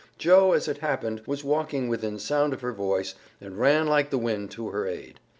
Joe, as it happened, was walking within sound of her voice, and ran like the wind to her aid.